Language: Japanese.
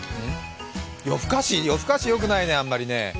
夜更かし、よくないね、あんまりね。